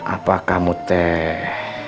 apa kamu teh